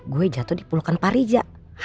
gue jatuh di pulukan pak rizal